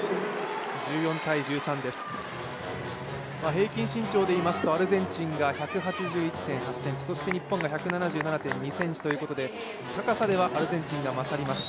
平均身長でいいますとアルゼンチンが１８１．２ｃｍそして、日本が１７７．７ｃｍということで、高さではアルゼンチンが勝ります。